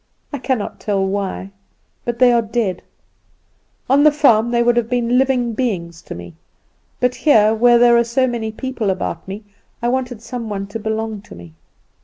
I cannot tell why, but they are dead. On the farm they would have been living beings to me; but here, where there were so many people about me, I wanted some one to belong to me.